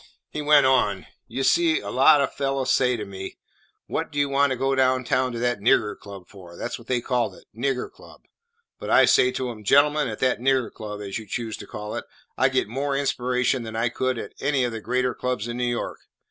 He went on: "You see, a lot o' fellows say to me, 'What do you want to go down to that nigger club for?' That 's what they call it, 'nigger club.' But I say to 'em, 'Gentlemen, at that nigger club, as you choose to call it, I get more inspiration than I could get at any of the greater clubs in New York.'